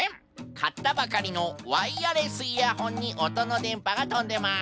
かったばかりのワイヤレスイヤホンにおとのでんぱがとんでます。